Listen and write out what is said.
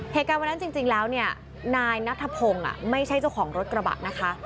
เหตุการณ์วันนั้นจริงแล้วเนี่ยนายนัทพงศ์ไม่ใช่เจ้าของรถกระบะนะคะ